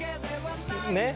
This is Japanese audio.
ねっ。